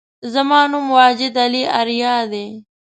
زما نوم واجد علي آریا دی